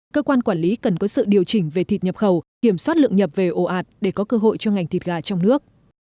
cơ quan quản lý cần có sự điều chỉnh về thịt nhập khẩu kiểm soát lượng nhập về ồ ạt để có cơ hội cho ngành thịt gà trong nước